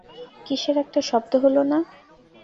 কীসের একটা শব্দ হলো না?